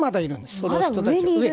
その人たちの上に。